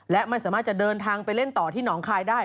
และไม่สามารถจะเดินทางไปเล่นต่อที่หนองคายได้